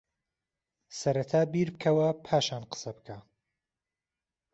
سەرەتا بیر بکەوە پاشان قسەبکە